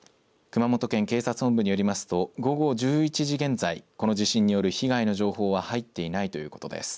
熊本県警察本部によりますと午後１１時現在、この地震による被害の情報は入っていないということです。